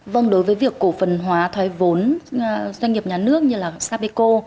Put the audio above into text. vâng đối với việc cổ phần hóa thoái vốn doanh nghiệp nhà nước như là sapeco